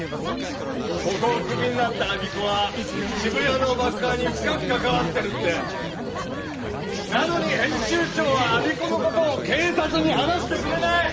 ここをクビになった我孫子は渋谷の爆破に深く関わってるっておいちょっとなのに編集長は我孫子のことを警察に話してくれない！